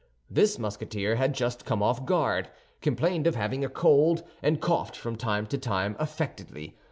This Musketeer had just come off guard, complained of having a cold, and coughed from time to time affectedly.